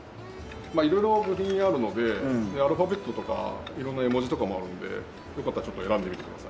まあ色々部品あるのでアルファベットとか色んな絵文字とかもあるのでよかったらちょっと選んでみてください。